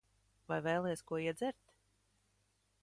Vai vēlies ko iedzert?